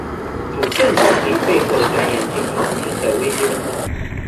祖暅原理背后的概念经常出现在微积分中。